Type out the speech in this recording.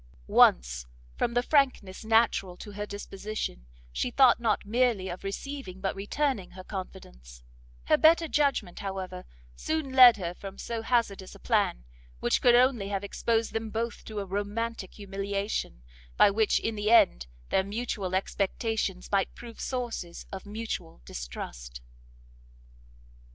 Once, from the frankness natural to her disposition, she thought not merely of receiving but returning her confidence; her better judgment, however, soon led her from so hazardous a plan, which could only have exposed them both to a romantic humiliation, by which, in the end, their mutual expectations might prove sources of mutual distrust.